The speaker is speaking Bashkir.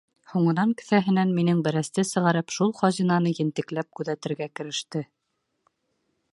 Һуңынан кеҫәһенән минең бәрәсте сығарып шул хазинаны ентекләп күҙәтергә кереште.